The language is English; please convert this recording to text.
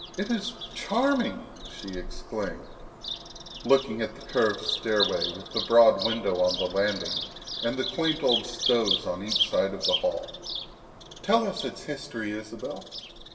"It is charming!" she exclaimed, looking at the curved stairway, with the broad window on the landing, and the quaint old stoves on each side of the hall. '' Tell us its history, Isabel."